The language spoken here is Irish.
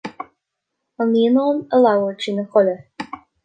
An naíonán a labhair trína chodladh